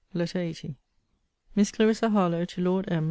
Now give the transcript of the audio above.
LETTER LXXX MISS CLARISSA HARLOWE, TO LORD M.